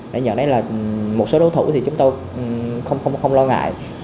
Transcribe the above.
để dẫn đến là một số đối thủ thì chúng ta không lo ngại